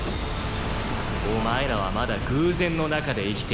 お前らはまだ偶然の中で生きている。